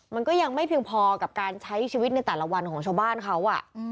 มันก็ยังไม่เพียงพอกับการใช้ชีวิตในแต่ละวันของชาวบ้านเขา